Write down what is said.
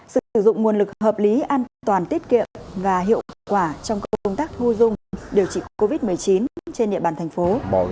sự sử dụng nguồn lực hợp lý an toàn tiết kiệm và hiệu quả trong công tác thu dung điều trị covid một mươi chín trên địa bàn thành phố